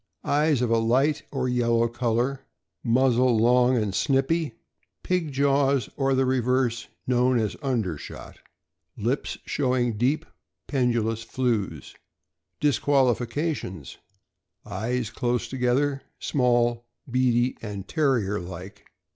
Eyes of a light or yellow color. Muzzle long and snipy. Pig jaws or the reverse, known as under shot. Lips showing deep, pendu lous flews. Disqualifications: Eyes close together, small, beady, and Terrier like.